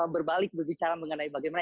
berbalik berbicara mengenai bagaimana